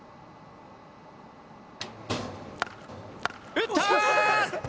打った！